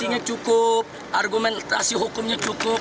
kelengkapan hukumnya cukup argumentasi hukumnya cukup